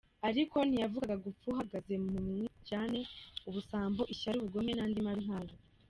Ariko ntiyavugaga gupfa uhagaze mu mwiryane, ubusambo, ishyari, ubugome n’andi mabi nkayo.